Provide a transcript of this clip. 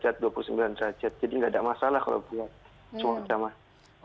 jadi nggak ada masalah kalau buat suara sama